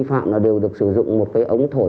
anh không thổi